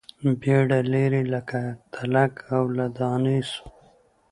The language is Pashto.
بیرته لیري له تلک او له دانې سو